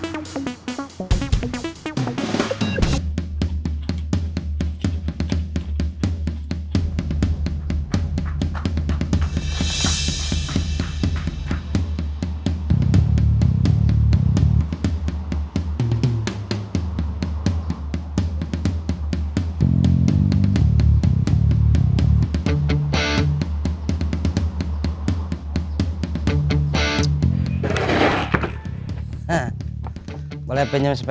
dia udah bicara sama kamu